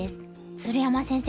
鶴山先生